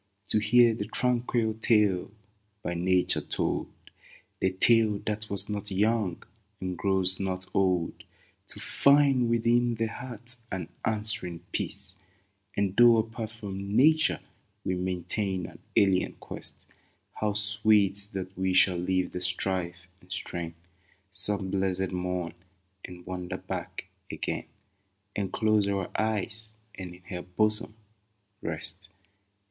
To hear the tranquil tale by Nature told — The tale that was not young, and grows not old — To find within the heart an answering peace ! 63 IN WINTER TIME And though apart from Nature we maintain An alien quest, How sweet that we shall leave the strife and strain Some blessed morn, and wander back again, And close our eyes, and in her bosom rest